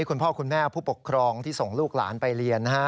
คุณพ่อคุณแม่ผู้ปกครองที่ส่งลูกหลานไปเรียนนะฮะ